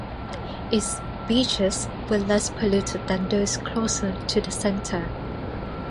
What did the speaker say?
Its beaches were less polluted than those closer to the center.